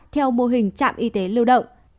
theo mô hình trạm y tế lưu động